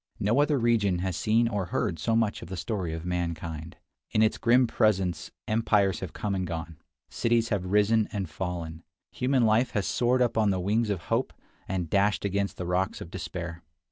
No other region has seen or heard so much of the story of mankind. In its grim presence empires have come and gone; cities have risen and fallen; human life has soared up on the wings of hope, and dashed against the rocks of despair.